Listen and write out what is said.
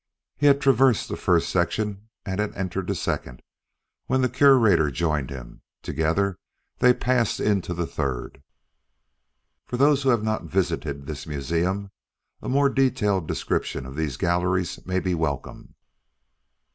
He had traversed the first section and had entered the second, when the Curator joined him; together they passed into the third. For those who have not visited this museum, a more detailed description of these galleries may be welcome.